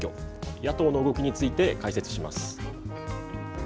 野党の動きについて解説します。